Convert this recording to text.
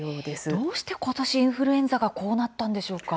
どうして今年インフルエンザがこうなったんでしょうか。